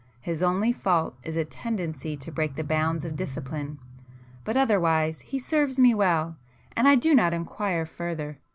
His only fault is a tendency to break the bounds of discipline, but otherwise he serves me well, and I do not inquire further.